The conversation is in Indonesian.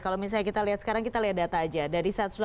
kalau misalnya kita lihat sekarang kita lihat data aja